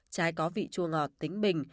trái có vị chua ngọt tính bình